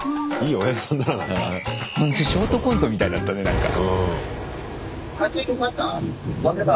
ショートコントみたいだったねなんか。